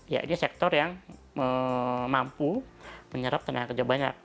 yaitu sektor yang mampu menyerap tenaga kerja banyak